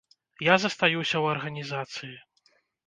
Я застаюся ў арганізацыі.